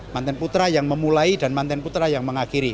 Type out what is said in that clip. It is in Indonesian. mantan putra yang memulai dan mantan putra yang mengakhiri